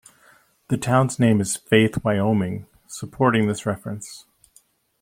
The town's name is Faith, Wyoming, supporting this reference.